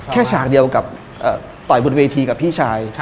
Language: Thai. ฉากเดียวกับต่อยบนเวทีกับพี่ชาย